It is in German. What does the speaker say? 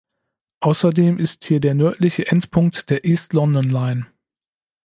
Außerdem ist hier der nördliche Endpunkt der East London Line.